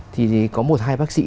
thì có một hai bác sĩ